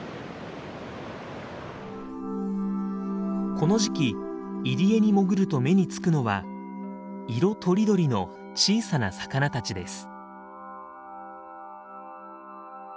この時期入り江に潜ると目につくのは色とりどりの小さな魚たちです。